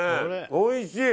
おいしい。